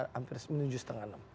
hampir tujuh setengah enam